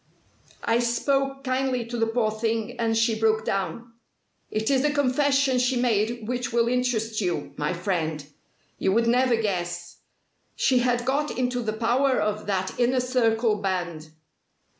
I spoke kindly to the poor thing, and she broke down. It is the confession she made which will interest you, my friend. You would never guess! She had got into the power of that Inner Circle band."